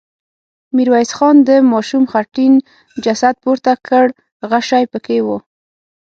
میرويس د ماشوم خټین جسد پورته کړ غشی پکې و.